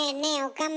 岡村。